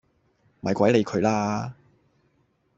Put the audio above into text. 咪鬼理佢啦